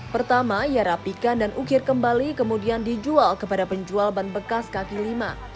pertama ia rapikan dan ukir kembali kemudian dijual kepada penjual ban bekas kaki lima